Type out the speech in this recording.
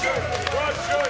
わっしょい！